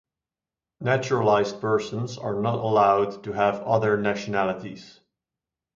Naturalised persons are not allowed to have other nationalities.